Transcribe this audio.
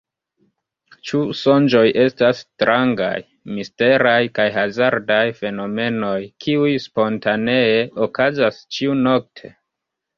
Ĉu sonĝoj estas strangaj, misteraj kaj hazardaj fenomenoj, kiuj spontanee okazas ĉiu-nokte?